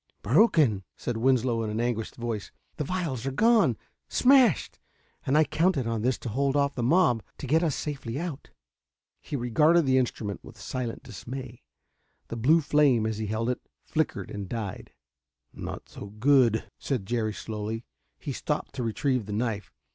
"Broken!" said Winslow in an anguished voice. "The vials are gone smashed! And I counted on this to hold off the mob, to get us safely out...." He regarded the instrument with silent dismay. The blue flame, as he held it, flickered and died. "Not so good!" said Jerry slowly. He stopped to retrieve the knife.